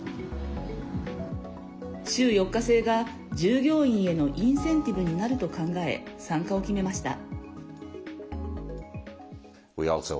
週４日制が従業員へのインセンティブになると考え参加を決めました。